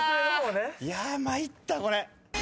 いや参ったこれ。